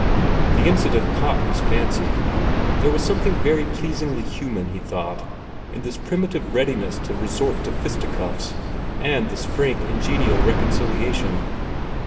The incident caught his fancy. There was something very pleasingly human, he thought, in this primitive readiness to resort to fisticuffs, and this frank and genial reconciliation.